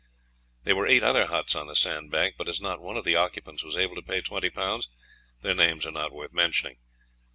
There were eight other huts on the sandbank, but as not one of the occupants was able to pay twenty pounds, their names are not worth mentioning.